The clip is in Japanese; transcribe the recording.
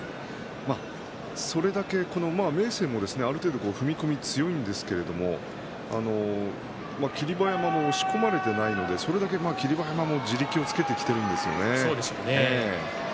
それだけ明生も踏み込み強いんですけども霧馬山も押し込まれていないのでそれだけ霧馬山も地力をつけてきているんですよね。